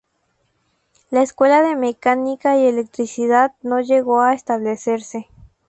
La Escuela de Mecánica y Electricidad, no llegó a establecerse.